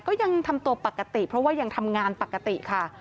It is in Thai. ก็ยังทำตัวปกติเพราะว่ายังทำงานปกติค่ะ